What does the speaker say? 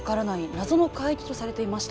「謎の海域」とされていました。